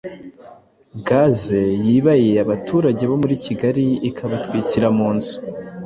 Gaze yibaiye abaturage bo murikigali ikabatwikira munzu